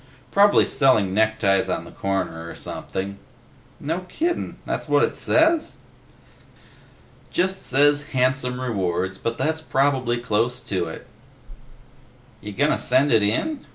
Probably selling neckties on the corner or something." "No kiddin'. That what it says?" "Just says 'handsome rewards,' but that's probably close to it." "You gonna send it in?"